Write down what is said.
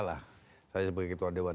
lah saya sebagai ketua dewan